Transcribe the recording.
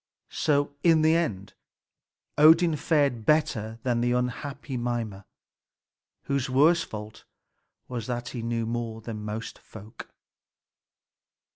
So in the end Odin fared better than the unhappy Mimer, whose worst fault was that he knew more than most folk.